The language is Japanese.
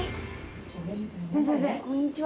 こんにちは。